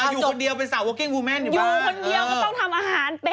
อยู่คนเดียวก็ต้องทำอาหารเป็น